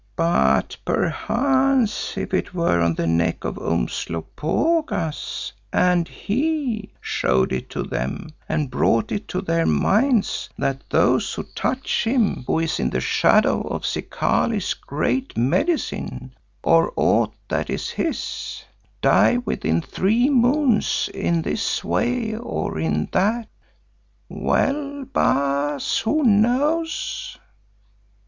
But perchance if it were on the neck of Umslopogaas and he showed it to them and brought it to their minds that those who touch him who is in the shadow of Zikali's Great Medicine, or aught that is his, die within three moons in this way or in that—well, Baas, who knows?"